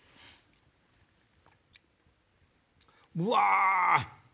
うわ！